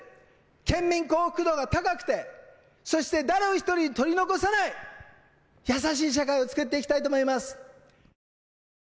県民幸福度が高くてそして誰一人取り残さない、優しい社会を作っていきたいと思います。